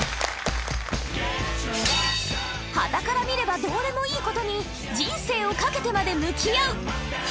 はたから見ればどうでもいいことに人生をかけてまで向き合う